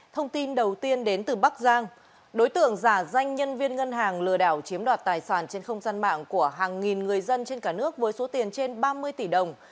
thông tin đầu tiên đến từ bắc giang đối tượng giả danh nhân viên ngân hàng lừa đảo chiếm đoạt tài sản trên không gian mạng của hàng nghìn người dân trên cả nước với số tiền trên ba mươi tỷ đồng